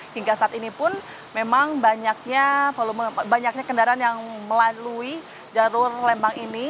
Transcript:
hingga saat ini pun memang banyaknya kendaraan yang melalui jalur lembang ini